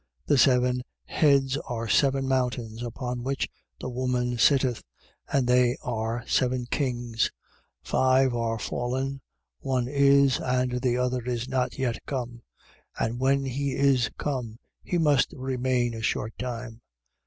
The seven heads are seven mountains, upon which the woman sitteth: and they are seven kings. 17:10. Five are fallen, one is, and the other is not yet come: and when he is come, he must remain a short time.